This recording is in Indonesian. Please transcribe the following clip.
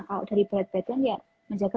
kalau dari berat badan ya menjaga